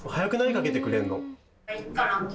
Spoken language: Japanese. かけてくれんの。